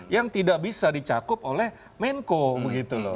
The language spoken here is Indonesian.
yang tidak bisa dicakup oleh menko begitu loh